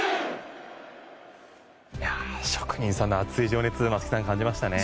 職人さんの熱い情熱を感じましたね。